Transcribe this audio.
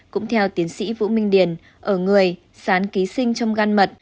cũng theo tiến sĩ vũ minh điền ở người sán ký sinh trong gan mật